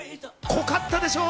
濃かったでしょ？